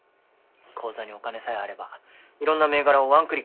口座にお金さえあればいろんな銘柄をワンクリックで買えるんだ。